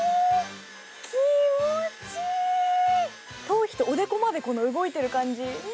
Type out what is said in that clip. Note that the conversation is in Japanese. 頭皮とおでこまで動いている感じ。